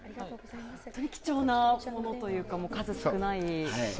本当に貴重なものというか数少ない。